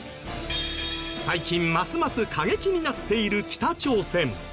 最近ますます過激になっている北朝鮮。